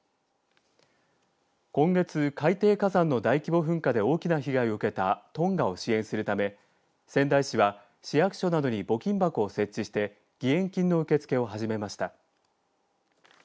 今月、海底火山の大規模噴火で大きな被害を受けたトンガを支援するため仙台市は市役所などに募金箱を設置して義援金の受け付けを始めました。